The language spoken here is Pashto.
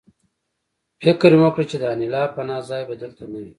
فکر مې وکړ چې د انیلا پناه ځای به دلته نه وي